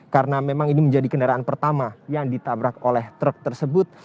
karena memang ini menjadi kendaraan pertama yang ditabrak oleh truk tersebut